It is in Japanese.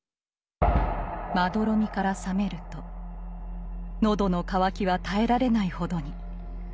まどろみから覚めると喉の渇きは耐えられないほどに。